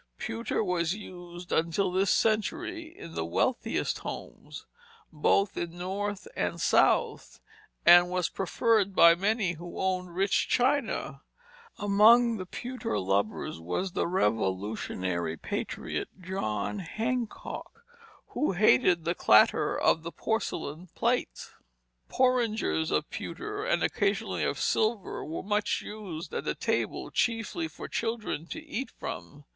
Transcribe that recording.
Pewter was used until this century in the wealthiest homes, both in the North and South, and was preferred by many who owned rich china. Among the pewter lovers was the Revolutionary patriot, John Hancock, who hated the clatter of the porcelain plates. Porringers of pewter, and occasionally of silver, were much used at the table, chiefly for children to eat from.